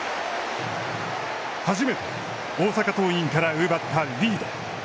初めて大阪桐蔭から奪ったリード。